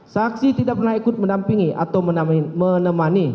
saksi tidak pernah ikut mendampingi atau menemani